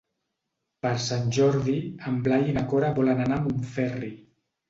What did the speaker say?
Per Sant Jordi en Blai i na Cora volen anar a Montferri.